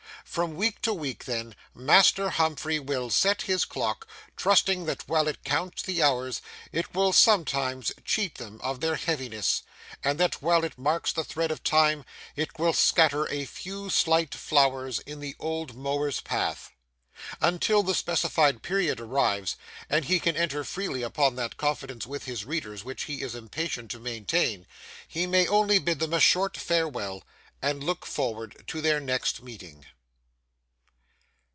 From week to week, then, Master Humphrey will set his clock, trusting that while it counts the hours, it will sometimes cheat them of their heaviness, and that while it marks the thread of Time, it will scatter a few slight flowers in the Old Mower's path. Until the specified period arrives, and he can enter freely upon that confidence with his readers which he is impatient to maintain, he may only bid them a short farewell, and look forward to their next meeting.